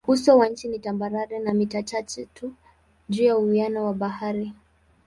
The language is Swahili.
Uso wa nchi ni tambarare na mita chache tu juu ya uwiano wa bahari.